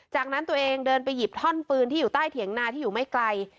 จากนั้นตัวเองเดินไปหยิบท่อนปืนที่อยู่ใต้เถียงนาที่อยู่ไม่ไกล